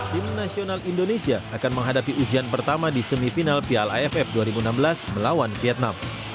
tim nasional indonesia akan menghadapi ujian pertama di semifinal piala aff dua ribu enam belas melawan vietnam